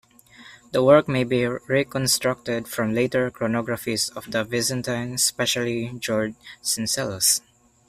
The work may be reconstructed from later chronographists of the Byzantine, especially George Syncellus.